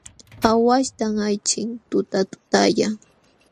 Aawaśhtam ayćhin tutatutalla.